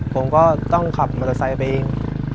ผมก็ต้องขับมอเตอร์ไซค์ไปเอง